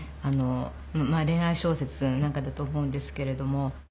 まあれん愛小説なんかだと思うんですけれども。